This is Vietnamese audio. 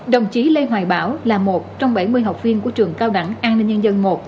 đồng chí lê hoài bảo là một trong bảy mươi học viên của trường cao đẳng an ninh nhân dân một